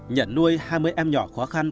nhận nuôi hai mươi em nhỏ khó khăn